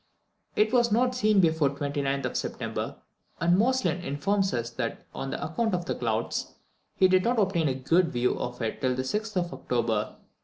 It was not seen before the 29th of September, and Moestlin informs us that, on account of clouds, he did not obtain a good view of it till the 6th of October.